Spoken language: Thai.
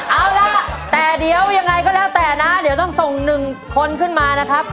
เอาล่ะแต่เดี๋ยวยังไงก็แล้วแต่นะเดี๋ยวต้องส่ง๑คนขึ้นมานะครับ